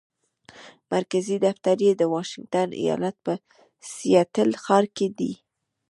مرکزي دفتر یې د واشنګټن ایالت په سیاتل ښار کې دی.